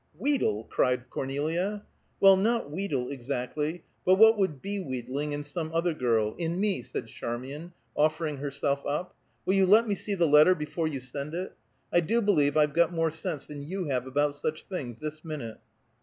"Wheedle!" cried Cornelia. "Well, not wheedle, exactly, but what would be wheedling in some other girl in me," said Charmian, offering herself up. "Will you let me see the letter before you send it? I do believe I've got more sense than you have about such things, this minute."